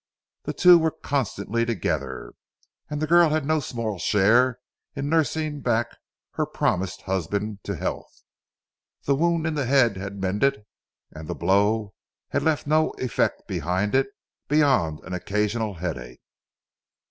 The two were constantly together, and the girl had had no small share in nursing back her promised husband to health. The wound in the head had mended and the blow had left no effect behind it beyond an occasional head ache.